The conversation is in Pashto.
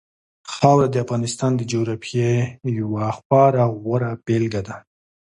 خاوره د افغانستان د جغرافیې یوه خورا غوره بېلګه ده.